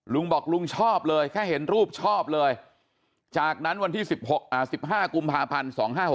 ลุงบอกลุงชอบเลยแค่เห็นรูปชอบเลยจากนั้นวันที่๑๕กุมภาพันธ์๒๕๖๖